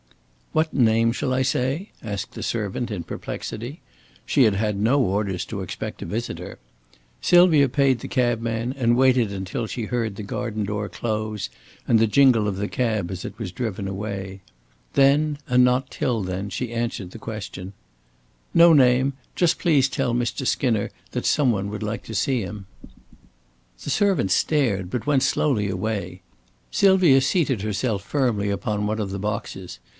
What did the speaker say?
"What name shall I say?" asked the servant in perplexity. She had had no orders to expect a visitor. Sylvia paid the cabman and waited until she heard the garden door close and the jingle of the cab as it was driven away. Then, and not till then, she answered the question. "No name. Just please tell Mr. Skinner that some one would like to see him." The servant stared, but went slowly away. Sylvia seated herself firmly upon one of the boxes.